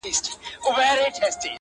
چي د ښار خلک به ستړي په دعا کړم!!